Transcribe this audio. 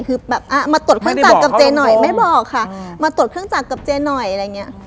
คือแบบอ่ะมาตรวจเครื่องจักรกับเจ๊หน่อยไม่บอกค่ะมาตรวจเครื่องจักรกับเจ๊หน่อยอะไรอย่างเงี้ย